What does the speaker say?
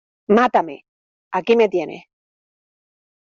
¡ mátame, aquí me tienes!